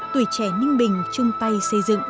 tuổi trẻ ninh bình chung tay xây dựng